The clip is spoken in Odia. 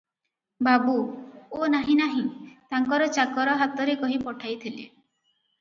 ବାବୁ – ଓ ନାହିଁ ନାହିଁ, ତାଙ୍କର ଚାକର ହାତରେ କହି ପଠାଇଥିଲେ ।